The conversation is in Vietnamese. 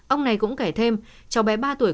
ông này cũng kể thêm cháu bé ba tuổi